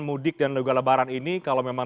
mudik dan juga lebaran ini kalau memang